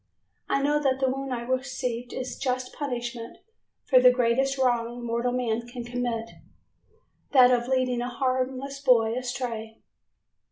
I know that the wound I received is the just punishment for the greatest wrong mortal man can commit, that of leading a harmless boy astray."